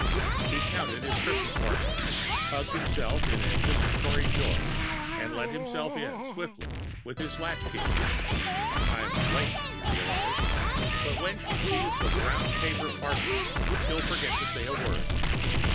He counted his Christmas parcels ... hugged himself in anticipatory joy ... and let himself in swiftly with his latchkey. "I'm late," he realised, "but when she sees the brown paper parcels, she'll forget to say a word.